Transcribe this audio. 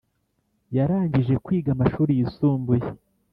Yarangije kwiga amashuri yisumbuye